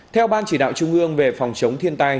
theo ban chỉ đạo trung ương về phòng chống thiên tai